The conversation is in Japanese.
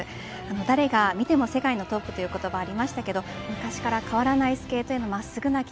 誰が見ても世界のトップという言葉がありましたけれど昔から変わらないはじめよう「ニベアメン」